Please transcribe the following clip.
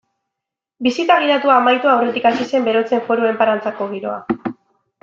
Bisita gidatua amaitu aurretik hasi zen berotzen Foru Enparantzako giroa.